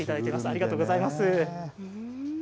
ありがとうございます。